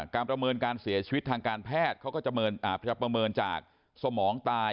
ประเมินการเสียชีวิตทางการแพทย์เขาก็จะประเมินจากสมองตาย